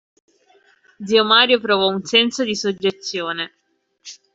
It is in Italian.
Zio Mario provò un senso di soggezione.